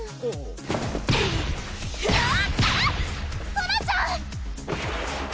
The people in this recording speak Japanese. ソラちゃん！